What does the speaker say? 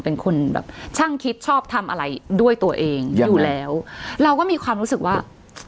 เป็นคนแบบช่างคิดชอบทำอะไรด้วยตัวเองอยู่แล้วเราก็มีความรู้สึกว่า